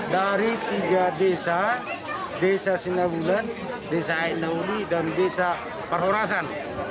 dari tiga desa desa singawulan desa aeknaudi dan desa perhorasan